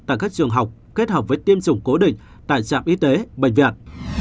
tại các trường học kết hợp với tiêm chủng cố định tại trạm y tế bệnh viện